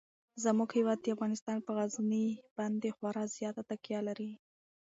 زموږ هیواد افغانستان په غزني باندې خورا زیاته تکیه لري.